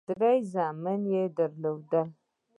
درې زامن یې درلودل.